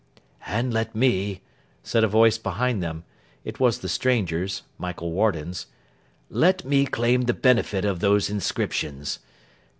'And let me,' said a voice behind them; it was the stranger's—Michael Warden's; 'let me claim the benefit of those inscriptions.